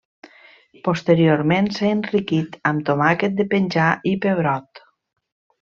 Posteriorment s'ha enriquit amb tomàquet de penjar i pebrot.